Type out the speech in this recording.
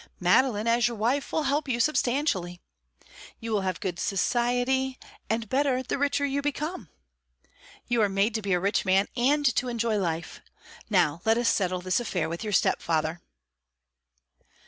Madeline as your wife will help you substantially. You will have good society, and better the richer you become. You are made to be a rich man and to enjoy life. Now let us settle this affair with your step father."